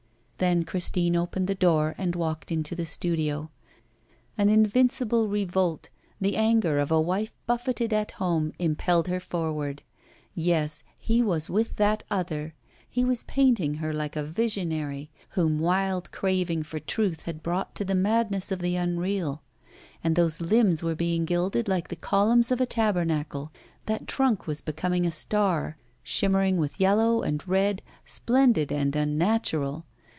Then Christine opened the door and walked into the studio. An invincible revolt, the anger of a wife buffeted at home, impelled her forward. Yes, he was with that other, he was painting her like a visionary, whom wild craving for truth had brought to the madness of the unreal; and those limbs were being gilded like the columns of a tabernacle, that trunk was becoming a star, shimmering with yellow and red, splendid and unnatural.